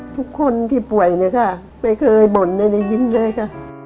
ทุกคนที่ป่วยไม่เคยบ่นในยิ้นเลยค่ะ